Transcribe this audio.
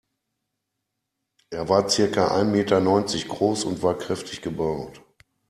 Er war circa ein Meter neunzig groß und war kräftig gebaut.